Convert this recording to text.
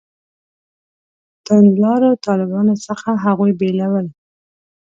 توندلارو طالبانو څخه هغوی بېلول.